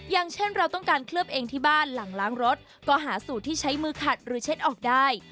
อย่างเช่นเราต้องการเคลือบเองที่บ้านหลังล้างรถก็หาสูตรที่ใช้มือขัดหรือเช็ดออกได้